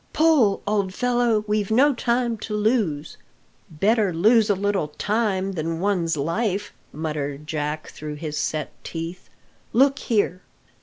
"Pull, old fellow; we've no time to lose." "Better lose a little time than one's life," muttered Jack through his set teeth. "Look here!"